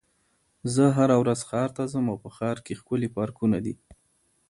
زه هره ورځ ښار ته ځم او په ښار کې ښکلي پارکونه دي.